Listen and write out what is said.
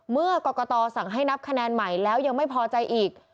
เมื่อกรกตสั่งให้นับคะแนนใหม่แล้วยังไม่พอใจอีก